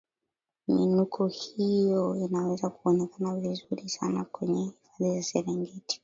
miinuko hiyo inaweza kuonekana vizuri sana kwenye hifadhi ya serengeti